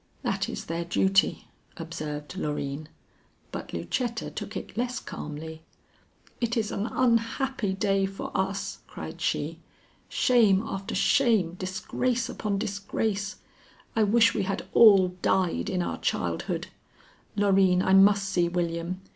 "That is their duty," observed Loreen, but Lucetta took it less calmly. "It is an unhappy day for us!" cried she. "Shame after shame, disgrace upon disgrace! I wish we had all died in our childhood. Loreen, I must see William.